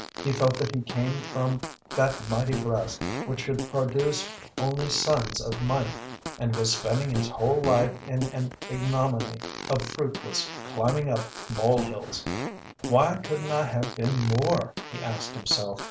He felt that he came from that mighty breast which should produce only sons of might, and was spending his whole life in an ignominy of fruitless climbing up mole hills. "Why couldn't I have been more?" he asked himself.